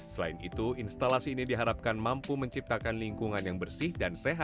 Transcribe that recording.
selain itu instalasi ini diharapkan mampu menciptakan lingkungan yang bersih dan sehat